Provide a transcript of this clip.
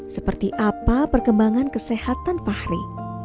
seperti apa perkembangan kesehatan fahri